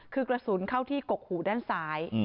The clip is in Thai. คือกระสุนเข้าที่กกหูด้านซ้าย